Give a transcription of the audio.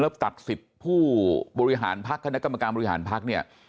แล้วตัดสิทธิ์ผู้บริหารพักคณะกรรมการบริหารพักเนี่ย